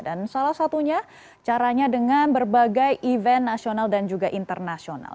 dan salah satunya caranya dengan berbagai event nasional dan juga internasional